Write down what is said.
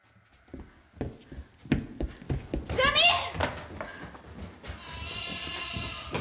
ジャミーン！